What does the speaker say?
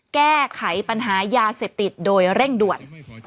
แก้ไขปัญหายาเสพติดโดยเร่งด่วน